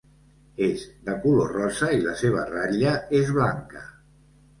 És de color rosa i la seva ratlla és blanca.